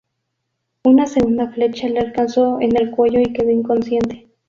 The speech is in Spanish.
Una segunda flecha le alcanzó en el cuello y quedó inconsciente.